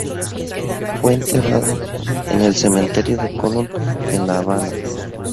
Fue enterrado en el Cementerio de Colón, en La Habana.